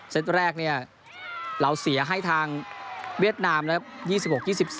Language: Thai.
ตแรกเนี่ยเราเสียให้ทางเวียดนามนะครับ